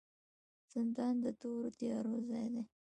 زندان د تورو تیارو ځای دی